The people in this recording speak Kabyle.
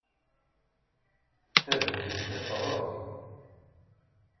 Tazewwut-a terreẓ.